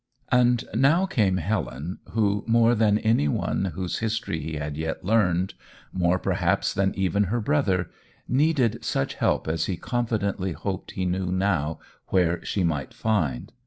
And now came Helen, who, more than anyone whose history he had yet learned more perhaps than even her brother, needed such help as he confidently hoped he knew now where she might find!